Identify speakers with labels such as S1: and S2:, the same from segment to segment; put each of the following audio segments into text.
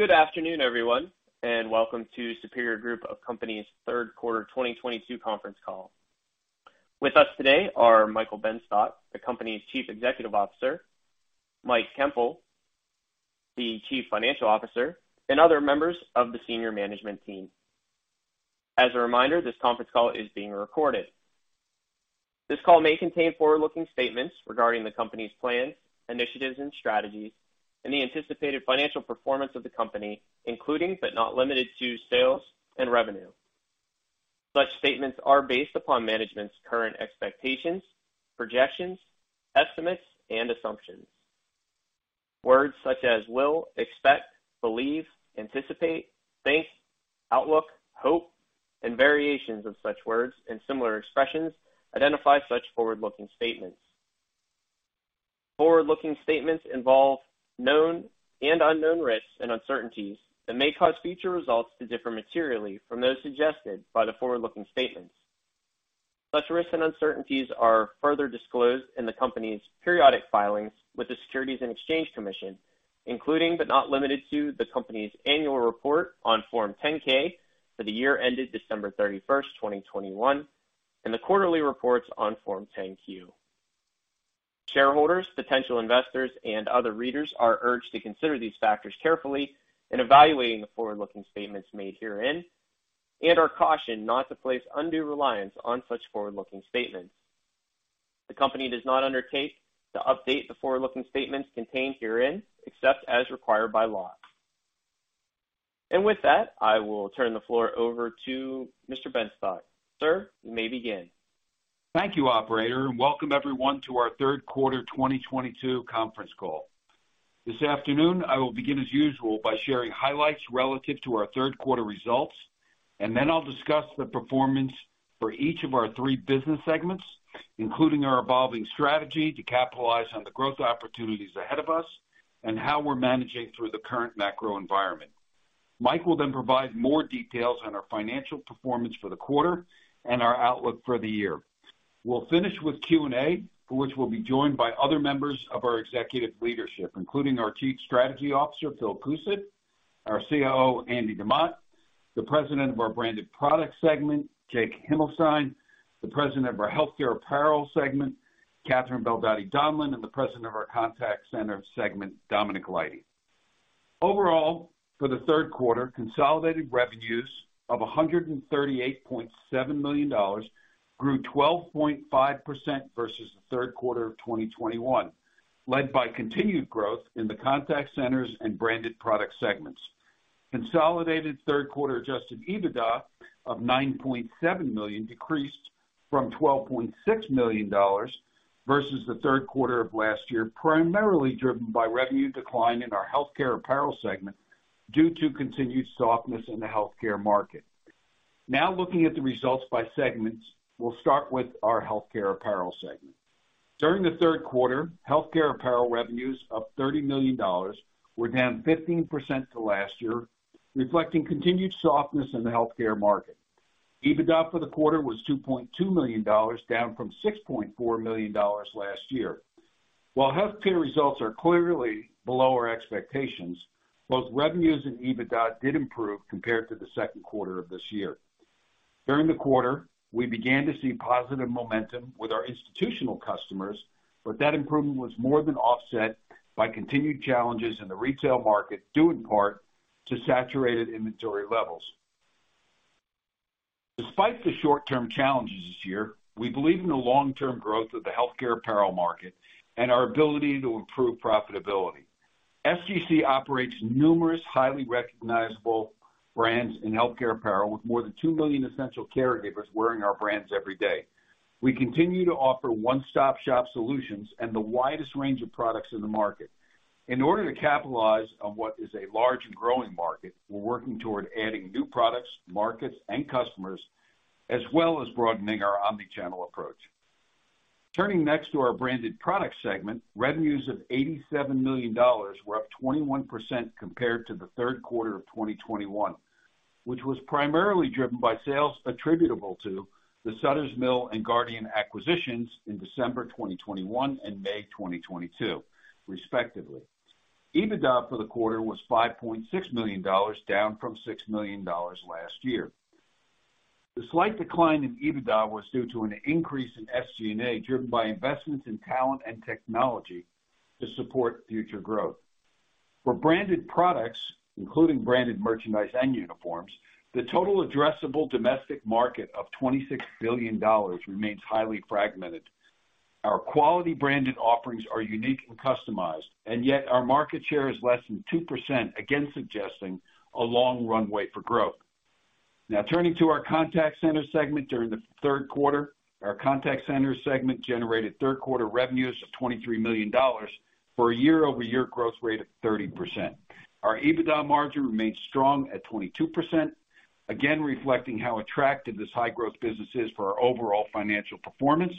S1: Good afternoon, everyone, and welcome to Superior Group of Companies Third Quarter 2022 Conference Call. With us today are Michael Benstock, the company's Chief Executive Officer, Mike Koempel, the Chief Financial Officer, and other members of the senior management team. As a reminder, this conference call is being recorded. This call may contain forward-looking statements regarding the company's plans, initiatives, and strategies, and the anticipated financial performance of the company, including but not limited to sales and revenue. Such statements are based upon management's current expectations, projections, estimates, and assumptions. Words such as will, expect, believe, anticipate, think, outlook, hope, and variations of such words and similar expressions identify such forward-looking statements. Forward-looking statements involve known and unknown risks and uncertainties that may cause future results to differ materially from those suggested by the forward-looking statements. Such risks and uncertainties are further disclosed in the company's periodic filings with the Securities and Exchange Commission, including, but not limited to, the company's annual report on Form 10-K for the year ended December 31, 2021, and the quarterly reports on Form 10-Q. Shareholders, potential investors, and other readers are urged to consider these factors carefully in evaluating the forward-looking statements made herein and are cautioned not to place undue reliance on such forward-looking statements. The company does not undertake to update the forward-looking statements contained herein, except as required by law. With that, I will turn the floor over to Mr. Benstock. Sir, you may begin.
S2: Thank you, operator, and welcome everyone to our third quarter 2022 conference call. This afternoon, I will begin as usual by sharing highlights relative to our third quarter results, and then I'll discuss the performance for each of our three business segments, including our evolving strategy to capitalize on the growth opportunities ahead of us and how we're managing through the current macro environment. Mike will then provide more details on our financial performance for the quarter and our outlook for the year. We'll finish with Q&A, for which we'll be joined by other members of our executive leadership, including our Chief Strategy Officer, Phil Koosed, our COO, Andy DeMott, the President of our Branded Products segment, Jake Himelstein, the President of our Healthcare Apparel segment, Catherine Beldotti Donlan, and the President of our Contact Center segment, Dominic Leide. Overall, for the third quarter, consolidated revenues of $138.7 million grew 12.5% versus the third quarter of 2021, led by continued growth in the Contact Centers and Branded Products segments. Consolidated third quarter adjusted EBITDA of $9.7 million decreased from $12.6 million versus the third quarter of last year, primarily driven by revenue decline in our Healthcare Apparel segment due to continued softness in the healthcare market. Now looking at the results by segments, we'll start with our Healthcare Apparel segment. During the third quarter, Healthcare Apparel revenues of $30 million were down 15% to last year, reflecting continued softness in the healthcare market. EBITDA for the quarter was $2.2 million, down from $6.4 million last year. While healthcare results are clearly below our expectations, both revenues and EBITDA did improve compared to the second quarter of this year. During the quarter, we began to see positive momentum with our institutional customers, but that improvement was more than offset by continued challenges in the retail market, due in part to saturated inventory levels. Despite the short-term challenges this year, we believe in the long-term growth of the healthcare apparel market and our ability to improve profitability. SGC operates numerous highly recognizable brands in healthcare apparel, with more than 2 million essential caregivers wearing our brands every day. We continue to offer one-stop-shop solutions and the widest range of products in the market. In order to capitalize on what is a large and growing market, we're working toward adding new products, markets, and customers, as well as broadening our omnichannel approach. Turning next to our Branded Products segment, revenues of $87 million were up 21% compared to the third quarter of 2021, which was primarily driven by sales attributable to the Sutter's Mill Specialties and Guardian Products acquisitions in December 2021 and May 2022 respectively. EBITDA for the quarter was $5.6 million, down from $6 million last year. The slight decline in EBITDA was due to an increase in SG&A, driven by investments in talent and technology to support future growth. For branded products, including branded merchandise and uniforms, the total addressable domestic market of $26 billion remains highly fragmented. Our quality branded offerings are unique and customized, and yet our market share is less than 2%, again suggesting a long runway for growth. Now turning to our Contact Centers segment during the third quarter. Our contact center segment generated third quarter revenues of $23 million for a year-over-year growth rate of 30%. Our EBITDA margin remains strong at 22%, again reflecting how attractive this high-growth business is for our overall financial performance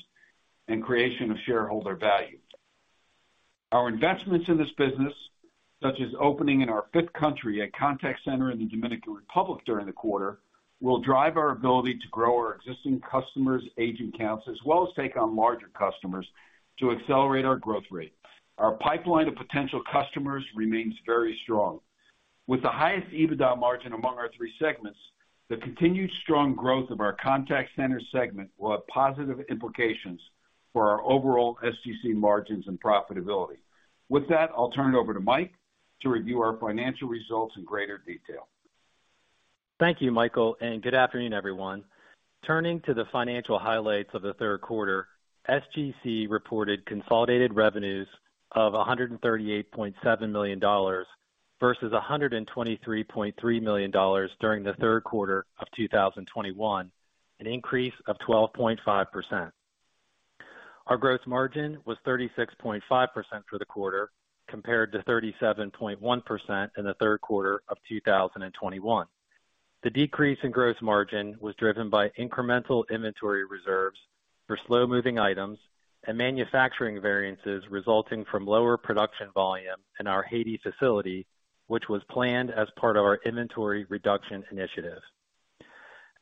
S2: and creation of shareholder value. Our investments in this business, such as opening in our fifth country, a contact center in the Dominican Republic during the quarter, will drive our ability to grow our existing customers' agent counts, as well as take on larger customers to accelerate our growth rate. Our pipeline of potential customers remains very strong. With the highest EBITDA margin among our three segments, the continued strong growth of our contact center segment will have positive implications for our overall SGC margins and profitability. With that, I'll turn it over to Mike to review our financial results in greater detail.
S3: Thank you, Michael, and good afternoon, everyone. Turning to the financial highlights of the third quarter, SGC reported consolidated revenues of $138.7 million versus $123.3 million during the third quarter of 2021, an increase of 12.5%. Our gross margin was 36.5% for the quarter, compared to 37.1% in the third quarter of 2021. The decrease in gross margin was driven by incremental inventory reserves for slow-moving items and manufacturing variances resulting from lower production volume in our Haiti facility, which was planned as part of our inventory reduction initiative.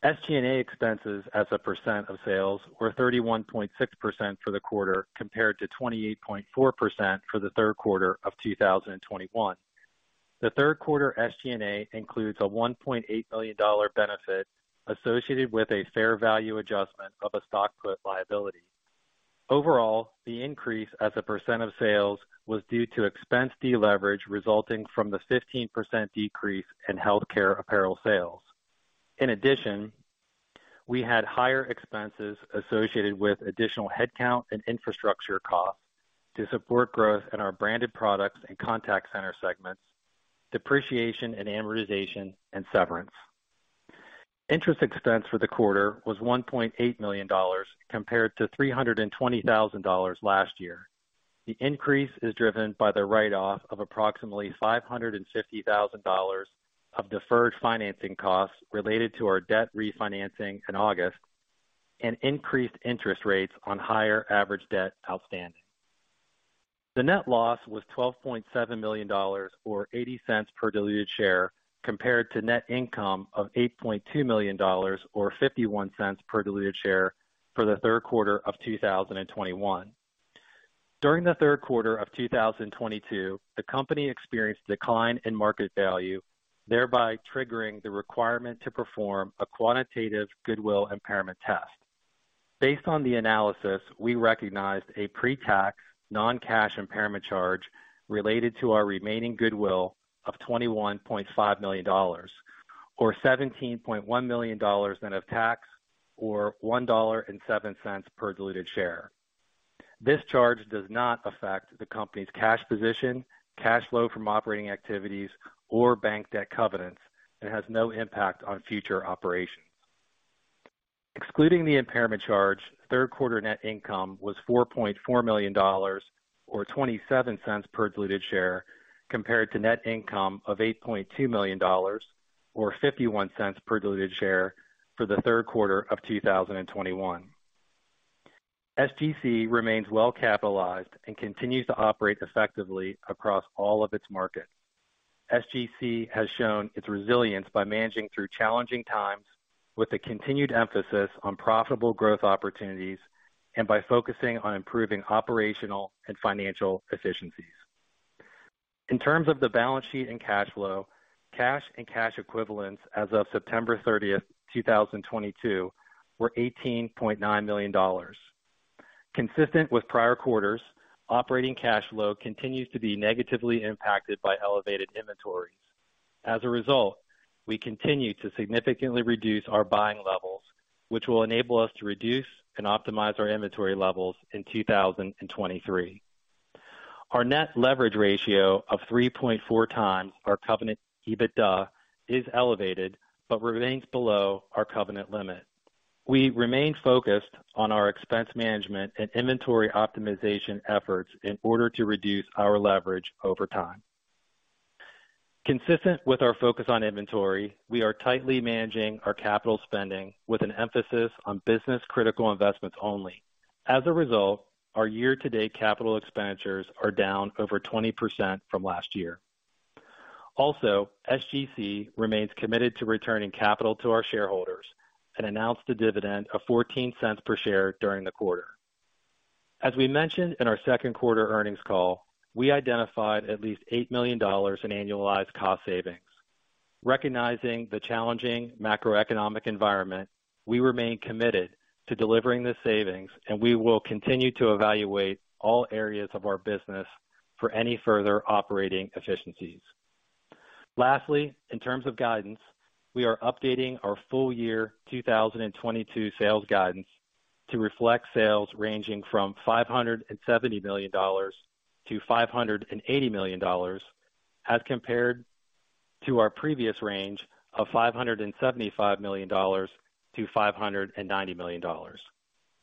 S3: SG&A expenses as a percent of sales were 31.6% for the quarter, compared to 28.4% for the third quarter of 2021. The third quarter SG&A includes a $1.8 million benefit associated with a fair value adjustment of a stock put liability. Overall, the increase as a percent of sales was due to expense deleverage resulting from the 15% decrease in Healthcare Apparel sales. In addition, we had higher expenses associated with additional headcount and infrastructure costs to support growth in our Branded Products and Contact Center segments, depreciation and amortization and severance. Interest expense for the quarter was $1.8 million, compared to $320,000 last year. The increase is driven by the write-off of approximately $550,000 of deferred financing costs related to our debt refinancing in August and increased interest rates on higher average debt outstanding. The net loss was $12.7 million or $0.80 per diluted share, compared to net income of $8.2 million or $0.51 per diluted share for the third quarter of 2021. During the third quarter of 2022, the company experienced decline in market value, thereby triggering the requirement to perform a quantitative goodwill impairment test. Based on the analysis, we recognized a pre-tax, non-cash impairment charge related to our remaining goodwill of $21.5 million, or $17.1 million net of tax, or $1.07 per diluted share. This charge does not affect the company's cash position, cash flow from operating activities, or bank debt covenants and has no impact on future operations. Excluding the impairment charge, third quarter net income was $4.4 million or $0.27 per diluted share, compared to net income of $8.2 million or $0.51 per diluted share for the third quarter of 2021. SGC remains well capitalized and continues to operate effectively across all of its markets. SGC has shown its resilience by managing through challenging times with a continued emphasis on profitable growth opportunities and by focusing on improving operational and financial efficiencies. In terms of the balance sheet and cash flow, cash and cash equivalents as of September 30, 2022, were $18.9 million. Consistent with prior quarters, operating cash flow continues to be negatively impacted by elevated inventories. As a result, we continue to significantly reduce our buying levels, which will enable us to reduce and optimize our inventory levels in 2023. Our net leverage ratio of 3.4 times our covenant EBITDA is elevated but remains below our covenant limit. We remain focused on our expense management and inventory optimization efforts in order to reduce our leverage over time. Consistent with our focus on inventory, we are tightly managing our capital spending with an emphasis on business critical investments only. As a result, our year-to-date capital expenditures are down over 20% from last year. Also, SGC remains committed to returning capital to our shareholders and announced a dividend of $0.14 per share during the quarter. As we mentioned in our second quarter earnings call, we identified at least $8 million in annualized cost savings. Recognizing the challenging macroeconomic environment, we remain committed to delivering the savings, and we will continue to evaluate all areas of our business for any further operating efficiencies. Lastly, in terms of guidance, we are updating our full year 2022 sales guidance to reflect sales ranging from $570 million-$580 million as compared to our previous range of $575 million-$590 million.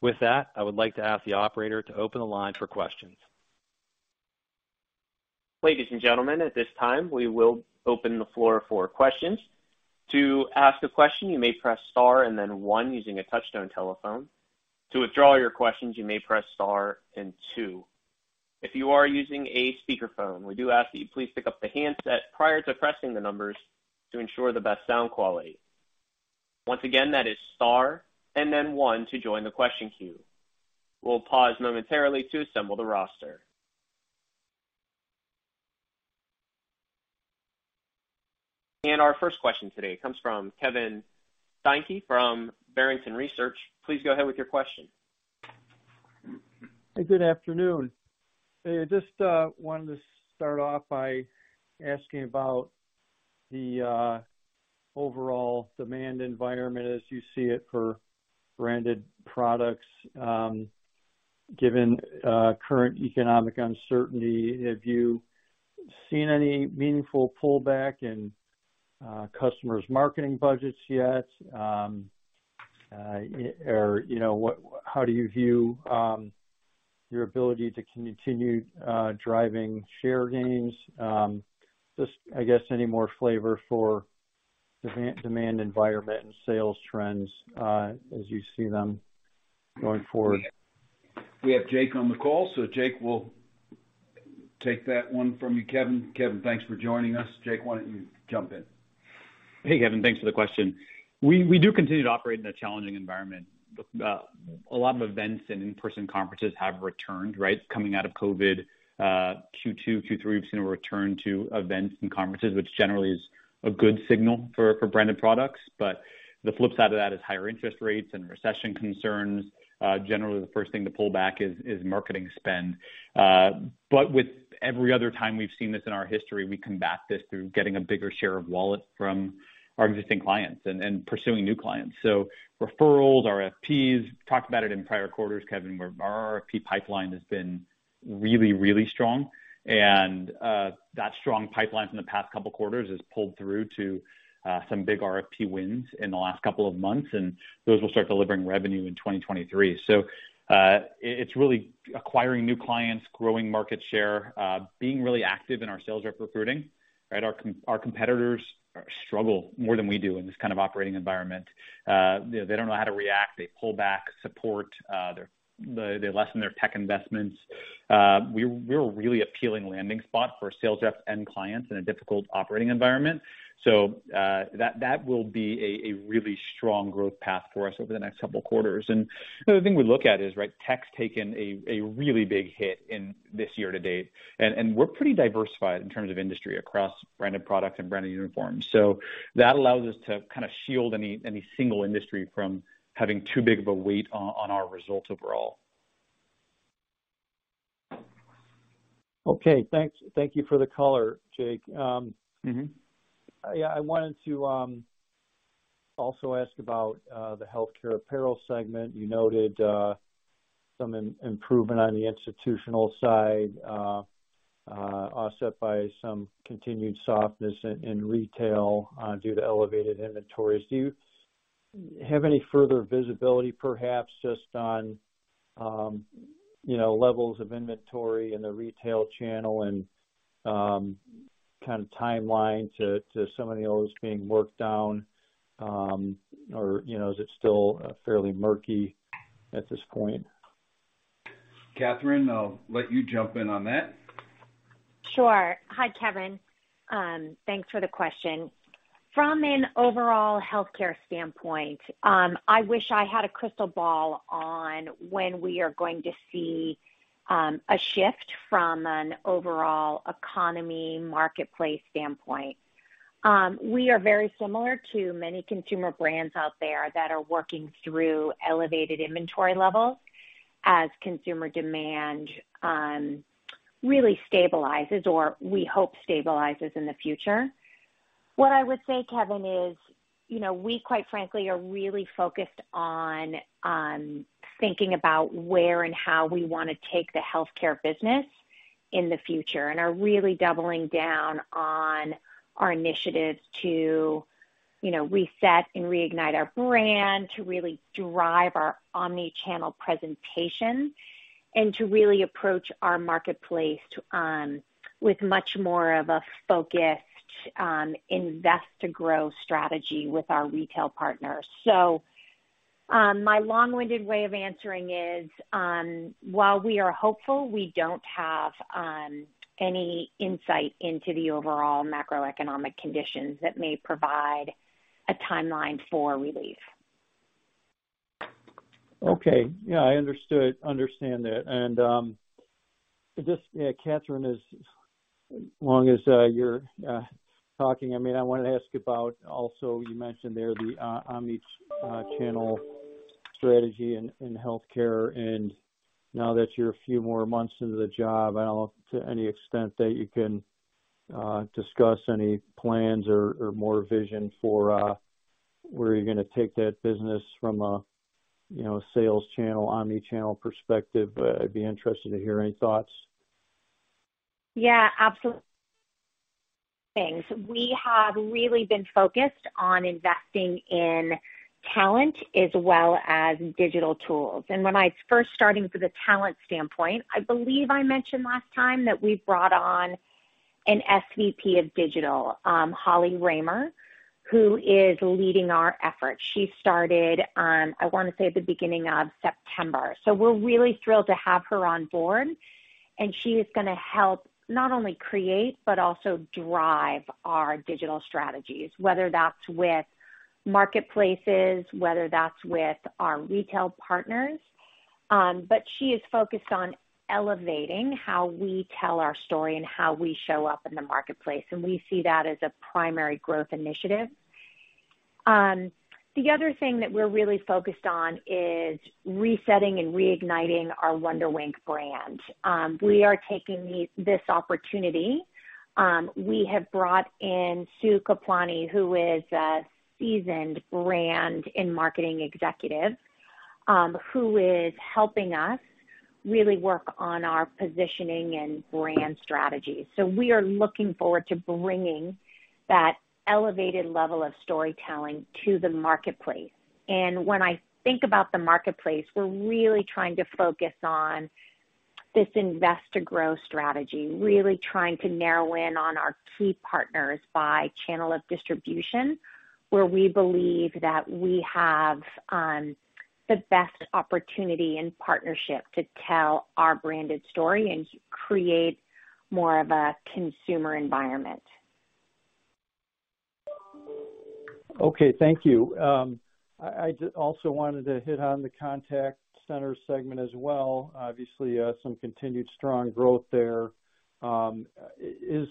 S3: With that, I would like to ask the operator to open the line for questions.
S1: Ladies and gentlemen, at this time, we will open the floor for questions. To ask a question, you may press star and then one using a touchtone telephone. To withdraw your questions, you may press star and two. If you are using a speakerphone, we do ask that you please pick up the handset prior to pressing the numbers to ensure the best sound quality. Once again, that is star and then one to join the question queue. We'll pause momentarily to assemble the roster. Our first question today comes from Kevin Steinke from Barrington Research. Please go ahead with your question.
S4: Good afternoon. Hey, I just wanted to start off by asking about the overall demand environment as you see it for branded products, given current economic uncertainty. Have you seen any meaningful pullback in customers' marketing budgets yet? You know, how do you view your ability to continue driving share gains? Just, I guess, any more flavor for demand environment and sales trends as you see them going forward.
S2: We have Jake on the call, so Jake will take that one from you, Kevin. Kevin, thanks for joining us. Jake, why don't you jump in?
S5: Hey, Kevin. Thanks for the question. We do continue to operate in a challenging environment. A lot of events and in-person conferences have returned, right? Coming out of COVID, Q2, Q3, we've seen a return to events and conferences, which generally is a good signal for branded products. The flip side of that is higher interest rates and recession concerns. Generally, the first thing to pull back is marketing spend. With every other time we've seen this in our history, we combat this through getting a bigger share of wallet from our existing clients and pursuing new clients. Referrals, RFPs. Talked about it in prior quarters, Kevin, where our RFP pipeline has been really strong. That strong pipeline from the past couple of quarters has pulled through to some big RFP wins in the last couple of months, and those will start delivering revenue in 2023. It's really acquiring new clients, growing market share, being really active in our sales rep recruiting, right? Our competitors struggle more than we do in this kind of operating environment. They don't know how to react. They pull back support. They lessen their tech investments. We're a really appealing landing spot for sales reps and clients in a difficult operating environment. That will be a really strong growth path for us over the next couple of quarters. The other thing we look at is, right, tech's taken a really big hit in this year to date, and we're pretty diversified in terms of industry across Branded Products and branded uniforms. That allows us to kind of shield any single industry from having too big of a weight on our results overall.
S4: Okay. Thanks. Thank you for the color, Jake. Yeah, I wanted to also ask about the Healthcare Apparel segment. You noted some improvement on the institutional side, offset by some continued softness in retail, due to elevated inventories. Do you have any further visibility, perhaps just on levels of inventory in the retail channel and kind of timeline to some of the others being worked down? Or, you know, is it still fairly murky at this point?
S2: Catherine, I'll let you jump in on that.
S6: Sure. Hi, Kevin. Thanks for the question. From an overall healthcare standpoint, I wish I had a crystal ball on when we are going to see a shift from an overall economy marketplace standpoint. We are very similar to many consumer brands out there that are working through elevated inventory levels as consumer demand really stabilizes or we hope stabilizes in the future. What I would say, Kevin, is, you know, we quite frankly are really focused on thinking about where and how we wanna take the healthcare business in the future, and are really doubling down on our initiatives to, you know, reset and reignite our brand, to really drive our omnichannel presentation and to really approach our marketplace with much more of a focused invest to grow strategy with our retail partners. My long-winded way of answering is, while we are hopeful, we don't have any insight into the overall macroeconomic conditions that may provide a timeline for relief.
S4: Okay. Yeah, I understand that. Just, yeah, Catherine, as long as you're talking, I mean, I wanted to ask about also. You mentioned there the omnichannel strategy in healthcare, and now that you're a few more months into the job, I don't know to any extent that you can discuss any plans or more vision for where you're gonna take that business from a, you know, sales channel, omnichannel perspective. I'd be interested to hear any thoughts.
S6: Yeah. Absolutely. We have really been focused on investing in talent as well as digital tools. When I was first starting with the talent standpoint, I believe I mentioned last time that we brought on an SVP of digital, Holly Ramler, who is leading our efforts. She started, I wanna say at the beginning of September. We're really thrilled to have her on board, and she is gonna help not only create but also drive our digital strategies, whether that's with marketplaces, whether that's with our retail partners. She is focused on elevating how we tell our story and how we show up in the marketplace, and we see that as a primary growth initiative. The other thing that we're really focused on is resetting and reigniting our WonderWink brand. We are taking this opportunity. We have brought in Sue Kaplan, who is a seasoned brand and marketing executive, who is helping us really work on our positioning and brand strategy. We are looking forward to bringing that elevated level of storytelling to the marketplace. When I think about the marketplace, we're really trying to focus on this invest to grow strategy, really trying to narrow in on our key partners by channel of distribution, where we believe that we have the best opportunity and partnership to tell our branded story and create more of a consumer environment.
S4: Okay, thank you. I just also wanted to hit on the contact center segment as well. Obviously, some continued strong growth there. Is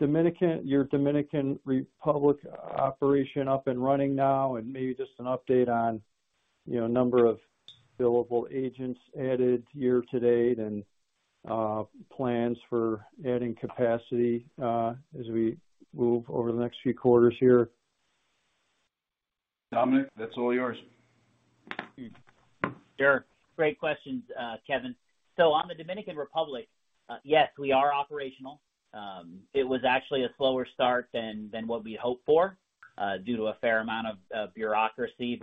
S4: your Dominican Republic operation up and running now? Maybe just an update on, you know, number of billable agents added year to date and plans for adding capacity as we move over the next few quarters here.
S2: Dominic, that's all yours.
S7: Sure. Great questions, Kevin. On the Dominican Republic, yes, we are operational. It was actually a slower start than what we hoped for, due to a fair amount of bureaucracy.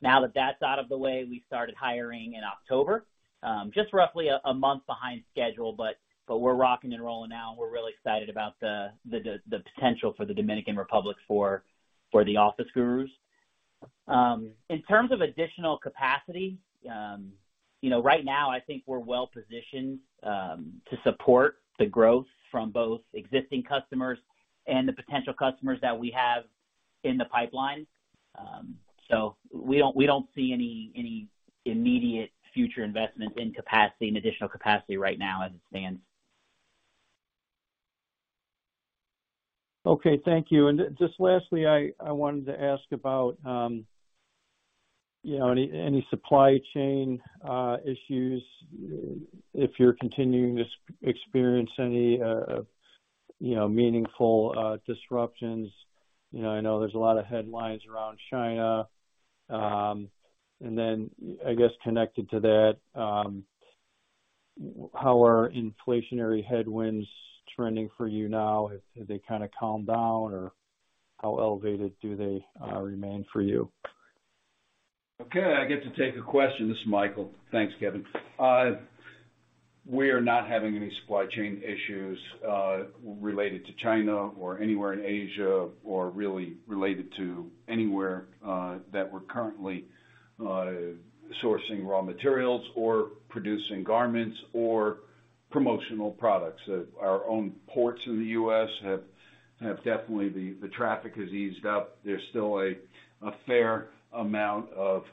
S7: Now that that's out of the way, we started hiring in October, just roughly a month behind schedule, but we're rocking and rolling now, and we're really excited about the potential for the Dominican Republic for The Office Gurus. In terms of additional capacity, you know, right now I think we're well-positioned to support the growth from both existing customers and the potential customers that we have in the pipeline. We don't see any immediate future investment in capacity, in additional capacity right now as it stands.
S4: Okay, thank you. Just lastly, I wanted to ask about, you know, any supply chain issues, if you're continuing to experience any, you know, meaningful disruptions. You know, I know there's a lot of headlines around China. I guess connected to that, how are inflationary headwinds trending for you now? Have they kind of calmed down, or how elevated do they remain for you?
S2: Okay, I get to take a question. This is Michael. Thanks, Kevin. We are not having any supply chain issues related to China or anywhere in Asia or really related to anywhere that we're currently sourcing raw materials or producing garments or promotional products. Our own ports in the U.S. have definitely, the traffic has eased up. There's still a fair amount of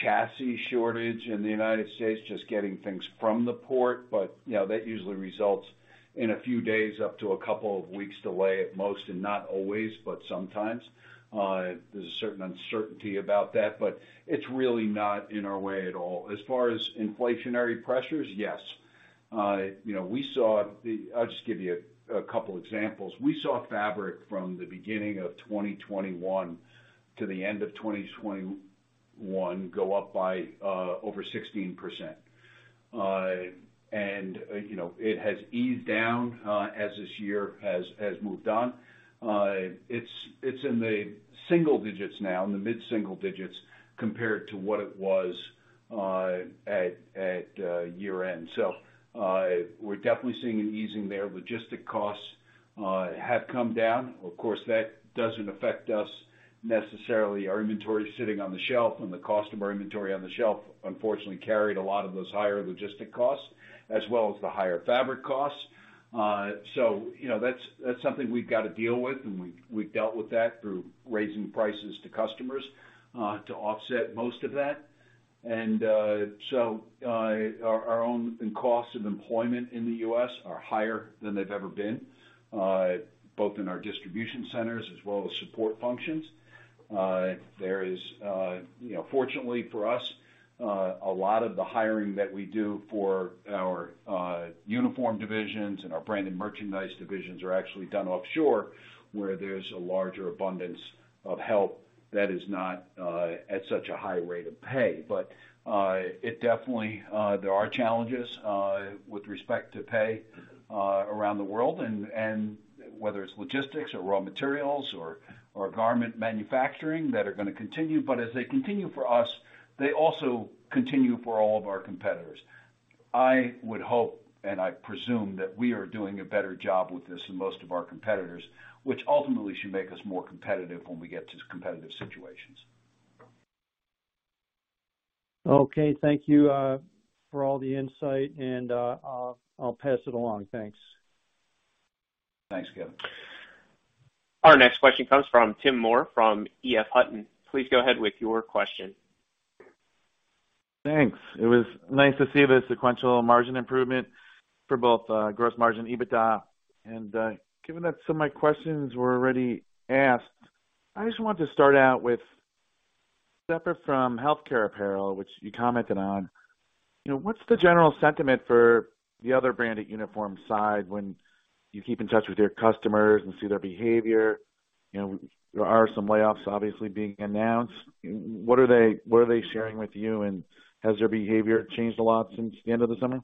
S2: chassis shortage in the United States, just getting things from the port, but you know, that usually results in a few days up to a couple of weeks delay at most, and not always, but sometimes. There's a certain uncertainty about that, but it's really not in our way at all. As far as inflationary pressures, yes. You know, I'll just give you a couple examples. We saw fabric from the beginning of 2021 to the end of 2021 go up by over 16%. You know, it has eased down as this year has moved on. It's in the single digits now, in the mid-single digits compared to what it was at year-end. We're definitely seeing an easing there. Logistics costs have come down. Of course, that doesn't affect us necessarily. Our inventory is sitting on the shelf, and the cost of our inventory on the shelf, unfortunately, carried a lot of those higher logistics costs as well as the higher fabric costs. You know, that's something we've got to deal with, and we've dealt with that through raising prices to customers to offset most of that. Our own costs of employment in the U.S. are higher than they've ever been, both in our distribution centers as well as support functions. There is, you know, fortunately for us, a lot of the hiring that we do for our uniform divisions and our branded merchandise divisions are actually done offshore, where there's a larger abundance of help that is not at such a high rate of pay. It definitely there are challenges with respect to pay around the world and whether it's logistics or raw materials or garment manufacturing that are gonna continue. As they continue for us, they also continue for all of our competitors. I would hope, and I presume that we are doing a better job with this than most of our competitors, which ultimately should make us more competitive when we get to competitive situations.
S4: Okay. Thank you for all the insight, and I'll pass it along. Thanks.
S2: Thanks, Kevin.
S1: Our next question comes from Tim Moore from EF Hutton. Please go ahead with your question.
S8: Thanks. It was nice to see the sequential margin improvement for both gross margin EBITDA. Given that some of my questions were already asked, I just wanted to start out with, separate from Healthcare Apparel, which you commented on, you know, what's the general sentiment for the other branded uniform side when you keep in touch with your customers and see their behavior? You know, there are some layoffs obviously being announced. What are they sharing with you? And has their behavior changed a lot since the end of the summer?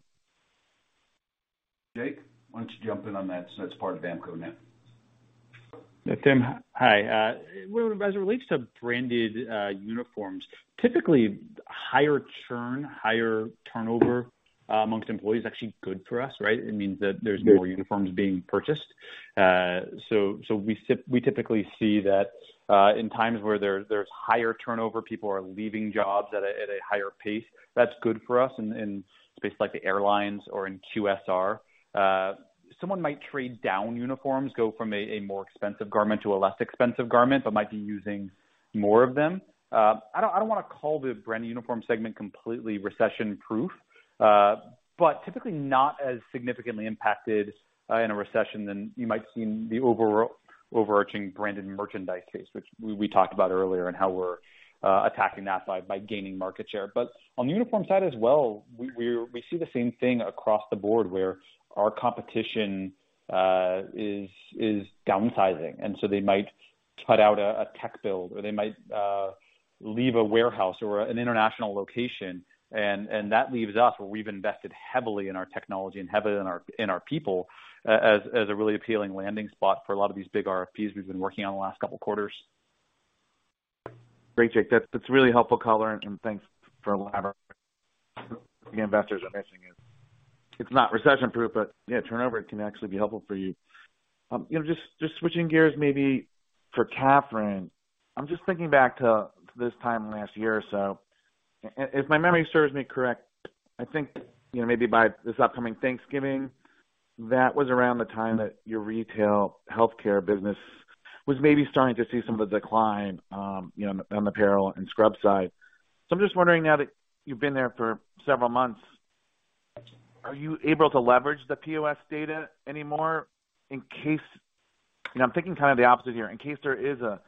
S2: Jake, why don't you jump in on that, so that's part of BAMKO now.
S5: Tim, hi. Well, as it relates to branded uniforms, typically higher churn, higher turnover amongst employees is actually good for us, right? It means that there's more uniforms being purchased. We typically see that in times where there's higher turnover, people are leaving jobs at a higher pace. That's good for us in spaces like the airlines or in QSR. Someone might trade down uniforms, go from a more expensive garment to a less expensive garment, but might be using more of them. I don't wanna call the branded uniform segment completely recession-proof, but typically not as significantly impacted in a recession than you might see in the overarching branded merchandise case, which we talked about earlier and how we're attacking that by gaining market share. On the uniform side as well, we see the same thing across the board where our competition is downsizing, and so they might cut out a tech build or they might leave a warehouse or an international location. That leaves us, where we've invested heavily in our technology and heavily in our people, as a really appealing landing spot for a lot of these big RFPs we've been working on the last couple quarters.
S8: Great, Jake. That's a really helpful color and thanks for elaborating. The investors are missing it. It's not recession-proof, but yeah, turnover can actually be helpful for you. You know, just switching gears maybe for Catherine. I'm just thinking back to this time last year or so. If my memory serves me correct, I think maybe by this upcoming Thanksgiving, that was around the time that your retail healthcare business was maybe starting to see some of the decline on the apparel and scrub side. I'm just wondering now that you've been there for several months, are you able to leverage the POS data anymore in case I'm thinking kind of the opposite here. In case there is a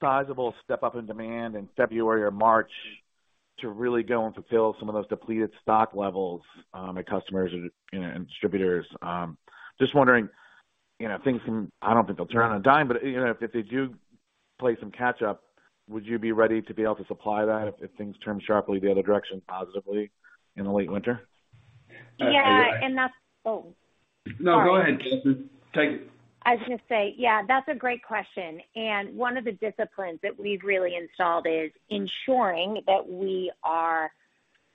S8: sizable step up in demand in February or March to really go and fulfill some of those depleted stock levels, at customers and, you know, and distributors. Just wondering, you know, I don't think they'll turn on a dime, but, you know, if they do play some catch up, would you be ready to be able to supply that if things turn sharply the other direction positively in the late winter?
S6: Yeah, yeah. Oh, sorry.
S2: No, go ahead, Catherine. Take it.
S6: I was gonna say, yeah, that's a great question. One of the disciplines that we've really installed is ensuring that we are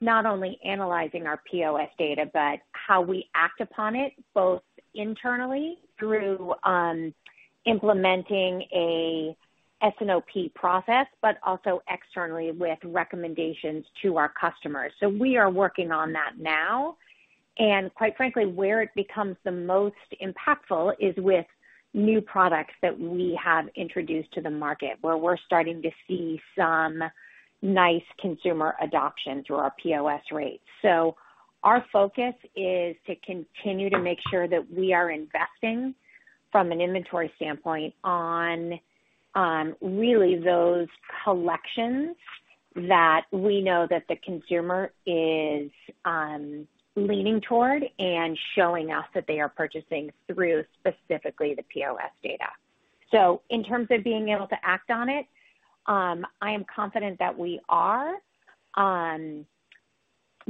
S6: not only analyzing our POS data, but how we act upon it, both internally through implementing a S&OP process, but also externally with recommendations to our customers. We are working on that now. Quite frankly, where it becomes the most impactful is with new products that we have introduced to the market, where we're starting to see some nice consumer adoption through our POS rates. Our focus is to continue to make sure that we are investing from an inventory standpoint on really those collections that we know that the consumer is leaning toward and showing us that they are purchasing through specifically the POS data. In terms of being able to act on it, I am confident that we are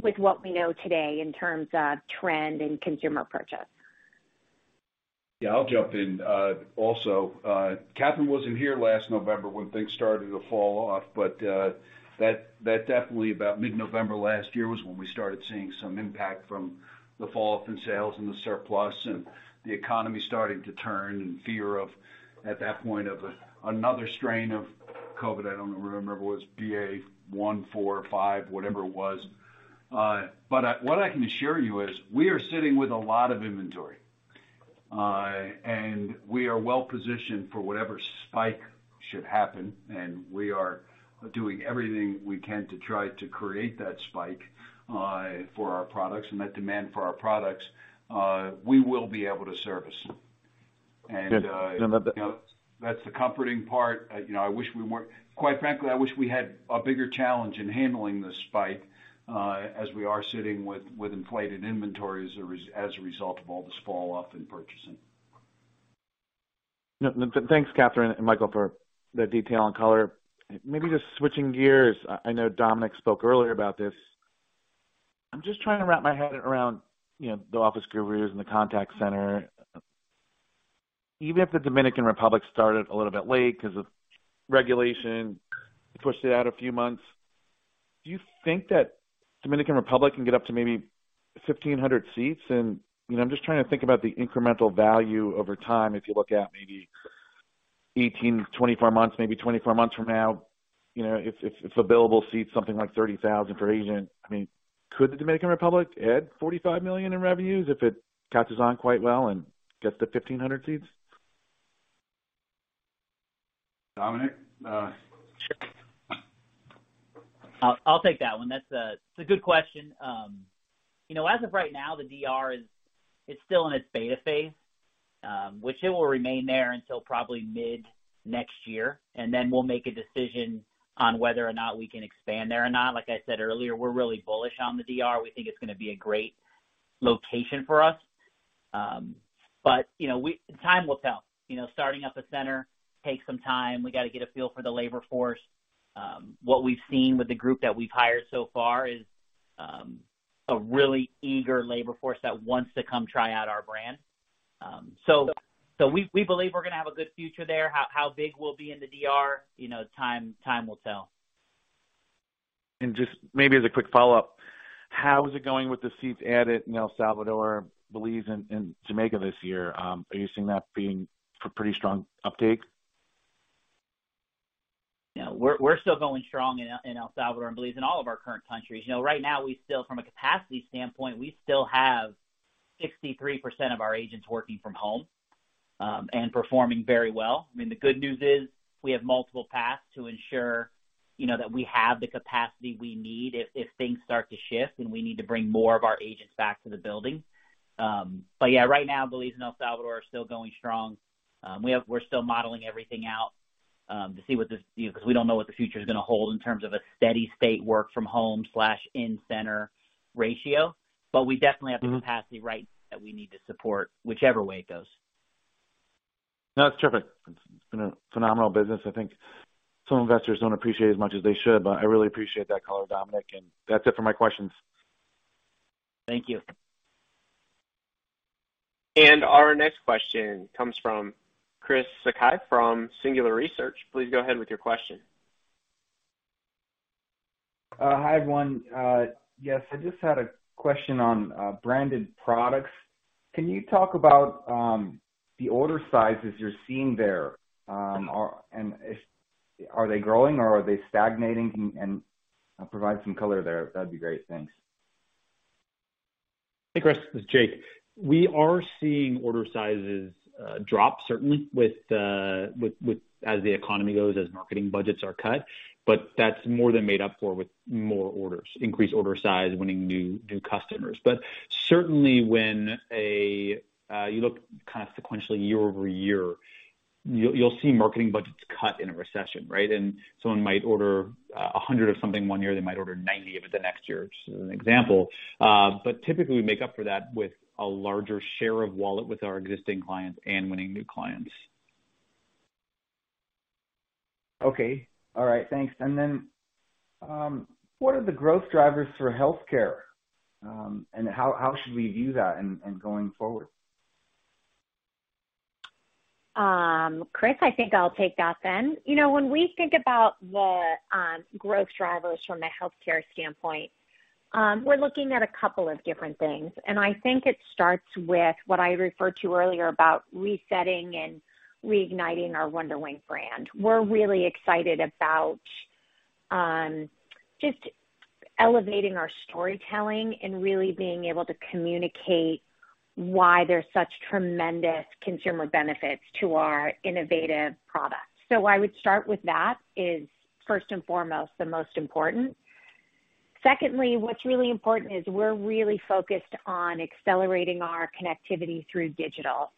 S6: with what we know today in terms of trend and consumer purchase.
S2: Yeah. I'll jump in, also. Catherine wasn't here last November when things started to fall off, but that definitely, about mid-November last year, was when we started seeing some impact from the falloff in sales and the surplus and the economy starting to turn and fear of, at that point, another strain of COVID. I don't remember if it was BA.1, 4, 5, whatever it was. What I can assure you is we are sitting with a lot of inventory. We are well positioned for whatever spike should happen, and we are doing everything we can to try to create that spike for our products and that demand for our products. We will be able to service.
S8: Good.
S2: You know, that's the comforting part. You know, I wish we were quite frankly, I wish we had a bigger challenge in handling this spike, as we are sitting with inflated inventory as a result of all this falloff in purchasing.
S8: No, thanks, Catherine and Michael, for the detail and color. Maybe just switching gears. I know Dominic spoke earlier about this. I'm just trying to wrap my head around, you know, The Office Gurus and the contact center. Even if the Dominican Republic started a little bit late 'cause of regulation, pushed it out a few months, do you think that Dominican Republic can get up to maybe 1,500 seats? You know, I'm just trying to think about the incremental value over time if you look at maybe 18-24 months, maybe 24 months from now, you know, if available seats something like 30,000 per agent, I mean, could the Dominican Republic add $45 million in revenues if it catches on quite well and gets to 1,500 seats?
S2: Dominic?
S7: Sure. I'll take that one. That's a good question. You know, as of right now, the DR is still in its beta phase, which it will remain there until probably mid-next year, and then we'll make a decision on whether or not we can expand there or not. Like I said earlier, we're really bullish on the DR. We think it's gonna be a great location for us. You know, time will tell. You know, starting up a center takes some time. We gotta get a feel for the labor force. What we've seen with the group that we've hired so far is a really eager labor force that wants to come try out our brand. We believe we're gonna have a good future there. How big we'll be in the DR, you know, time will tell.
S8: Just maybe as a quick follow-up, how is it going with the seats added in El Salvador, Belize, and Jamaica this year? Are you seeing that being a pretty strong uptake?
S7: Yeah. We're still going strong in El Salvador and Belize and all of our current countries. You know, right now, from a capacity standpoint, we still have 63% of our agents working from home and performing very well. I mean, the good news is we have multiple paths to ensure, you know, that we have the capacity we need if things start to shift and we need to bring more of our agents back to the building. Yeah, right now, Belize and El Salvador are still going strong. We're still modeling everything out to see what this, you know, 'cause we don't know what the future is gonna hold in terms of a steady state work from home/in-center ratio. We definitely have the capacity right that we need to support whichever way it goes.
S8: No, that's terrific. It's been a phenomenal business. I think some investors don't appreciate it as much as they should, but I really appreciate that color, Dominic, and that's it for my questions.
S7: Thank you.
S1: Our next question comes from Chris Sakai from Singular Research. Please go ahead with your question.
S9: Hi, everyone. Yes, I just had a question on Branded Products. Can you talk about the order sizes you're seeing there? Are they growing, or are they stagnating? And provide some color there. That'd be great. Thanks.
S5: Hey, Chris. This is Jake. We are seeing order sizes drop certainly as the economy goes, as marketing budgets are cut, but that's more than made up for with more orders, increased order size, winning new customers. Certainly when you look kind of sequentially year-over-year, you'll see marketing budgets cut in a recession, right? Someone might order 100 of something one year, they might order 90 of it the next year, just as an example. Typically, we make up for that with a larger share of wallet with our existing clients and winning new clients.
S9: Okay. All right. Thanks. Then, what are the growth drivers for healthcare, and how should we view that in going forward?
S6: Chris, I think I'll take that then. You know, when we think about the growth drivers from a healthcare standpoint, we're looking at a couple of different things, and I think it starts with what I referred to earlier about resetting and reigniting our WonderWink brand. We're really excited about just elevating our storytelling and really being able to communicate why there's such tremendous consumer benefits to our innovative products. I would start with that is first and foremost the most important. Secondly, what's really important is we're really focused on accelerating our connectivity through digital.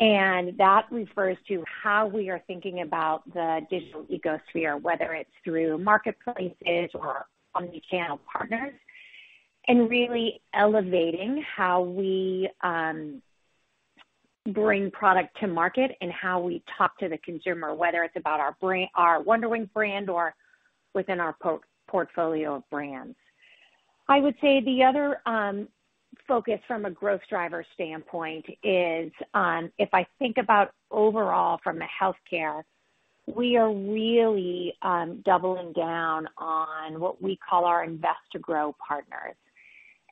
S6: That refers to how we are thinking about the digital ecosystem, whether it's through marketplaces or omni-channel partners, and really elevating how we bring product to market and how we talk to the consumer, whether it's about our brand, our WonderWink brand or within our portfolio of brands. I would say the other focus from a growth driver standpoint is on, if I think about overall from a healthcare, we are really doubling down on what we call our invest to grow partners.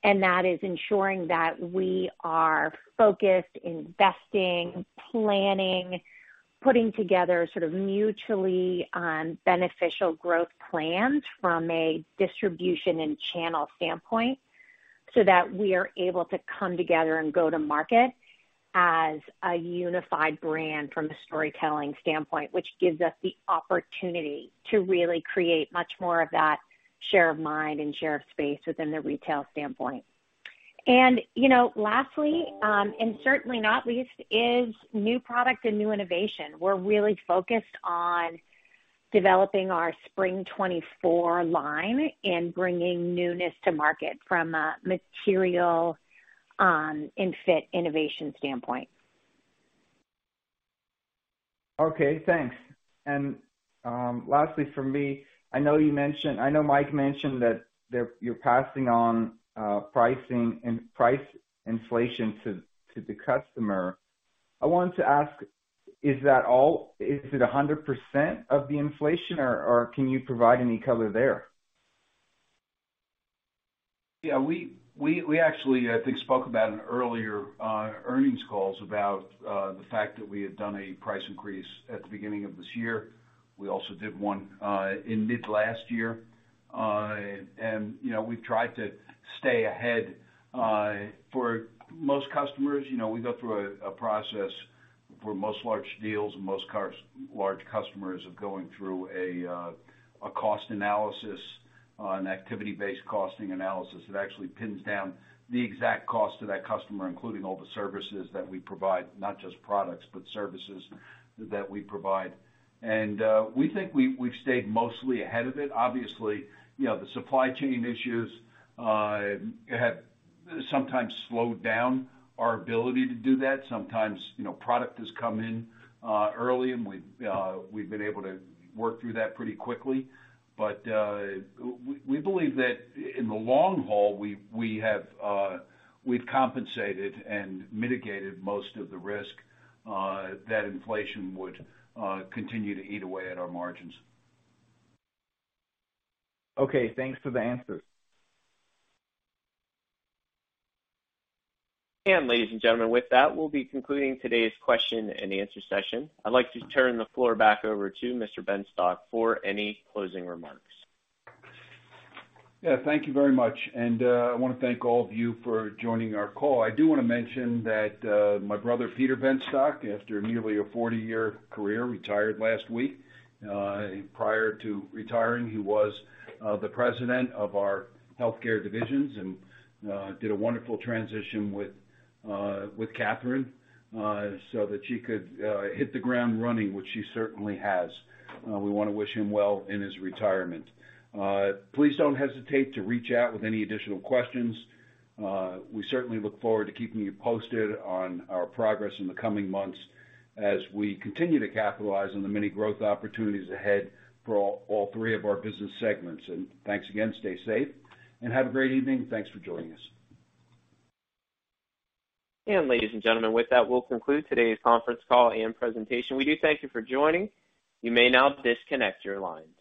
S6: That is ensuring that we are focused, investing, planning, putting together sort of mutually beneficial growth plans from a distribution and channel standpoint so that we are able to come together and go to market as a unified brand from a storytelling standpoint, which gives us the opportunity to really create much more of that share of mind and share of space within the retail standpoint. You know, lastly, and certainly not least, is new product and new innovation. We're really focused on developing our spring 2024 line and bringing newness to market from a material and fit innovation standpoint.
S9: Okay, thanks. Last from me, I know Mike mentioned that you're passing on pricing and price inflation to the customer. I wanted to ask, is that all? Is it 100% of the inflation, or can you provide any color there?
S2: Yeah, we actually, I think, spoke about in earlier earnings calls about the fact that we had done a price increase at the beginning of this year. We also did one in mid last year. You know, we've tried to stay ahead for most customers. You know, we go through a process for most large deals and most large customers of going through a cost analysis, an activity-based costing analysis that actually pins down the exact cost to that customer, including all the services that we provide, not just products, but services that we provide. We think we've stayed mostly ahead of it. Obviously, you know, the supply chain issues have sometimes slowed down our ability to do that. Sometimes, you know, product has come in early, and we've been able to work through that pretty quickly. We believe that in the long haul, we've compensated and mitigated most of the risk that inflation would continue to eat away at our margins.
S9: Okay, thanks for the answers.
S1: Ladies and gentlemen, with that, we'll be concluding today's question and answer session. I'd like to turn the floor back over to Mr. Benstock for any closing remarks.
S2: Yeah. Thank you very much. I wanna thank all of you for joining our call. I do wanna mention that my brother, Peter Benstock, after nearly a 40-year career, retired last week. Prior to retiring, he was the president of our Healthcare Division and did a wonderful transition with Catherine, so that she could hit the ground running, which she certainly has. We wanna wish him well in his retirement. Please don't hesitate to reach out with any additional questions. We certainly look forward to keeping you posted on our progress in the coming months as we continue to capitalize on the many growth opportunities ahead for all three of our business segments. Thanks again. Stay safe, and have a great evening. Thanks for joining us.
S1: Ladies and gentlemen, with that, we'll conclude today's conference call and presentation. We do thank you for joining. You may now disconnect your lines.